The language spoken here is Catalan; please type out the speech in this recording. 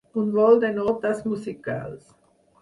Un vol de notes musicals